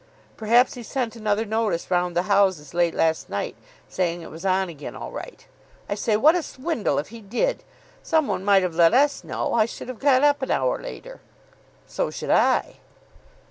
"Perhaps he sent another notice round the houses late last night, saying it was on again all right. I say, what a swindle if he did. Some one might have let us know. I should have got up an hour later." "So should I."